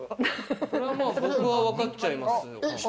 僕は分かっちゃいます。